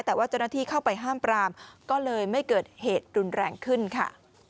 แต่ว่าเจ้าหน้าที่เข้าไปห้ามปรามก็เลยไม่เกิดเหตุรุนแรงขึ้นค่ะ